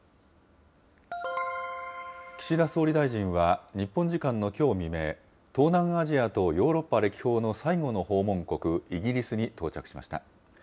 岸田総理大臣は、日本時間のきょう未明、東南アジアとヨーロッパ歴訪の最後の訪問国、イギリスに到着しました。